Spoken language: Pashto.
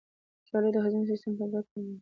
کچالو د هاضمې سیستم ته ګټه لري.